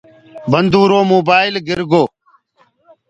بند هوُرو موبآئيل گِرگو۔